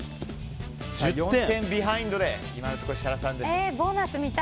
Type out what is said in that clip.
４点ビハインドで今のところ設楽さんです。